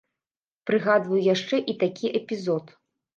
Прыгадваю яшчэ і такі эпізод.